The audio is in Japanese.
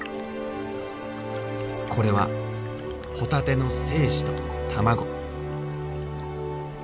これはホタテの精子と卵。